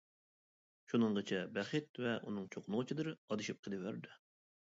شۇنىڭغىچە بەخت ۋە ئۇنىڭ چوقۇنغۇچىلىرى ئادىشىپ قېلىۋەردى.